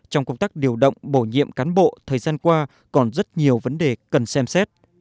trong công tác điều động bổ nhiệm cán bộ thời gian qua còn rất nhiều vấn đề cần xem xét